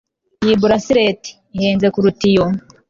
Iyi bracelet ihenze kuruta iyo